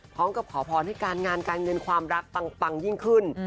พร้อมกับขอพรให้การงานการเงินความรักปังยิ่งขึ้น